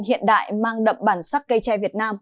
hiện đại mang đậm bản sắc cây tre việt nam